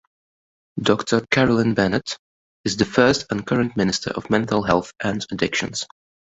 Doctor Carolyn Bennett is the first and current minister of mental health and addictions.